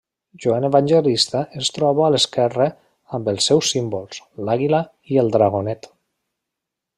Joan Evangelista es troba a l'esquerra amb els seus símbols: l'àguila i el dragonet.